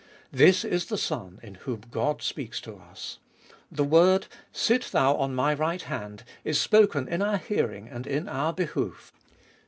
This is the Son in whom God speaks to us. The word, Sit thou on My right hand, is spoken in our hearing and in our behoof.